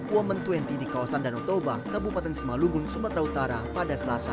women dua puluh di kawasan danau toba kabupaten simalungun sumatera utara pada selasa